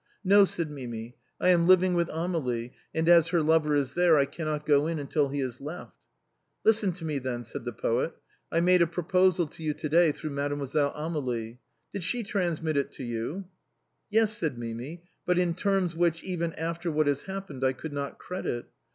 " No," said Mimi, " I am living with Amélie, and as her lover is there I cannot go in till he has left." " Listen to me, then," said the poet. " I made a pro posal to you to day through Mademoiselle Amelia Did she transmit it to you ?"" Yes," said Mimi, " but in terms which, even after what has happened, I could not credit.